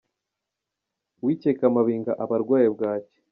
Uwikeka amabinga aba arwaye bwaki.